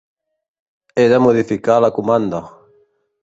He de modificar la comanda.